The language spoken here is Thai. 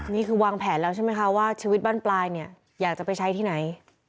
นี่คือวางแผนแล้วใช่ไหมคะว่าชีวิตบ้านปลายเนี่ยอยากจะไปใช้ที่ไหน